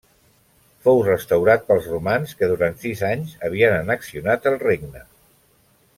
Fou restaurat pels romans que durant sis anys havien annexionat el regne.